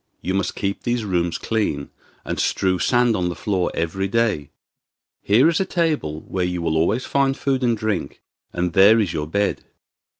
You must keep these rooms clean, and strew sand on the floor every day. Here is a table where you will always find food and drink, and there is your bed.